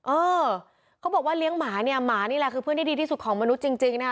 เออเขาบอกว่าเลี้ยงหมาเนี่ยหมานี่แหละคือเพื่อนที่ดีที่สุดของมนุษย์จริงนะคะ